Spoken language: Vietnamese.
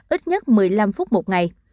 ít nhất một mươi năm phút một ngày